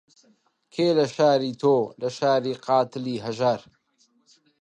کێ لە شاری تۆ، لە شاری قاتڵی هەژار